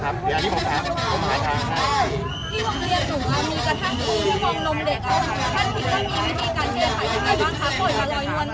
ที่วังเรียนหนูอะมีกระทั่งที่ที่มองนมเด็กอะแทนผิดก็มีวิธีการเชียร์ไข้ได้บ้างคะ